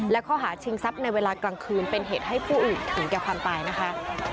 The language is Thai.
และข้อหาชิงทรัพย์ในเวลากลางคืนเป็นเหตุให้ผู้อื่นถึงแก่ความตายนะคะ